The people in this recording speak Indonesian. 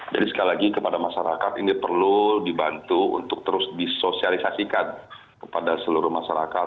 jadi sekali lagi kepada masyarakat ini perlu dibantu untuk terus disosialisasikan kepada seluruh masyarakat